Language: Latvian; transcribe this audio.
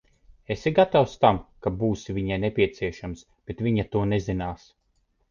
Esi gatavs tam, ka būsi viņai nepieciešams, bet viņa to nezinās.